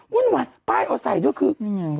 ป้ายเอาใส่ดูคือ